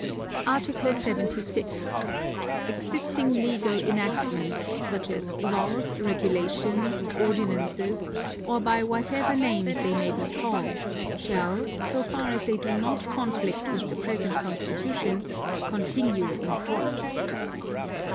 Article 76. Existing legal enactments, such as laws, regulations, Ordinances, or by whatever names they may be called, shall, so far as they do not conflict with the present Constitution, continue in force.